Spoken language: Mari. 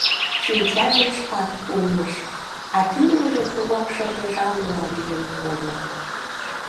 Шинчажым шкак кумыш, а тӱрвыжӧ тугак шыргыжалмыла лийын кодо.